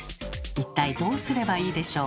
一体どうすればいいでしょう？